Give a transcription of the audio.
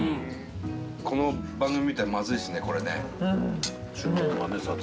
この番組に出たらまずいですねこれね。